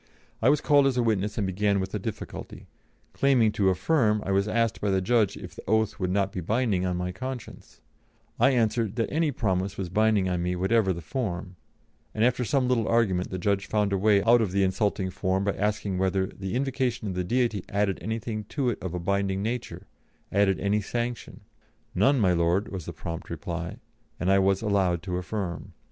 I was called as witness and began with a difficulty; claiming to affirm, I was asked by the judge if the oath would not be binding on my conscience; I answered that any promise was binding on me whatever the form, and after some little argument the judge found a way out of the insulting form by asking whether the "invocation of the Deity added anything to it of a binding nature added any sanction?" "None, my Lord," was the prompt reply, and I was allowed to affirm.